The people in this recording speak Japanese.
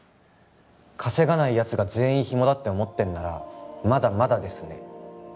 稼がないヤツが全員ヒモだって思ってんならまだまだですね